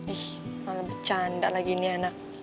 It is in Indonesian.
ih nggak lebih bercanda lagi nih anak